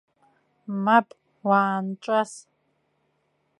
Мап, уаанҿас!